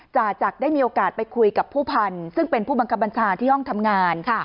จ่าจักรได้มีโอกาสไปคุยกับผู้พันธุ์ซึ่งเป็นผู้บังคับบัญชาที่ห้องทำงาน